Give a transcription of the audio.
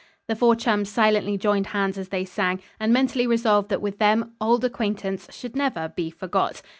The four chums silently joined hands as they sang, and mentally resolved that with them "auld acquaintance" should never "be forgot."